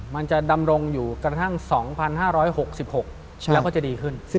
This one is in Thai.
มันจะดำรงอยู่กระทั่ง๒๕๖๖แล้วก็จะดีขึ้น